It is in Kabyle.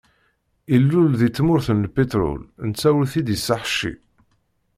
Ilul deg tmurt n lpiṭrul netta ur t-id-iṣaḥ ci.